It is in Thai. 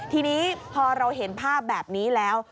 ทีนี้พอเราเห็นภาพแบบนี้แล้ว